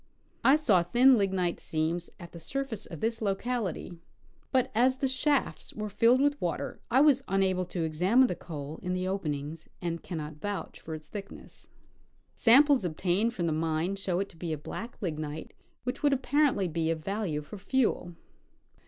I saw thin lignite seams at the surface at this locality, but as the shafts were filled with water I was unable to examine the coal in the open ings, and cannot vouch for its thickness. Samples obtained from the mine show it to be a black lignite which would apparently be of value for fuel.